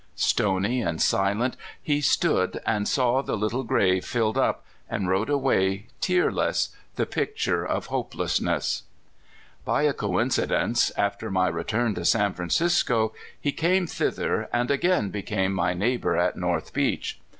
Stony and silent he stood and saw the little grave filled up, and rode away tearless, the picture of hopelessness. By a coincidence, after my return to San Fran cisco, he came thither, and again became my neigh bor at North Beach.